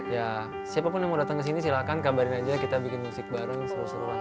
ya siapa pun yang mau datang kesini silahkan kabarin aja kita bikin musik bareng seru seruan